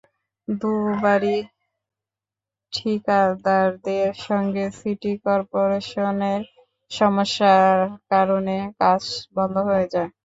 দুবারই ঠিকাদারদের সঙ্গে সিটি করপোরেশনের সমস্যার কারণে কাজ বন্ধ হয়ে যায়।